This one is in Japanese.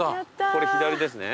これ左ですね。